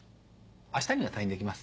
明日には退院できます。